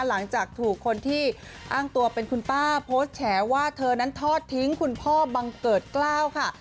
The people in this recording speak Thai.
หลังจากถูกคนที่อ้างตัวเป็นคุณป้าโพสต์แฉว่าเธอนั้นทอดทิ้งคุณพ่อบังเกิดกล้าวค่ะ